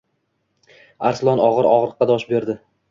Arslon og‘ir og‘riqqa dosh berdi.